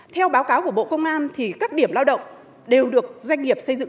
theo báo cáo của bộ công an thì các điểm lao động đều được doanh nghiệp xây dựng